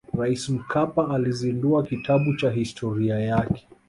raisi mkapa alizindua kitabu cha historia yake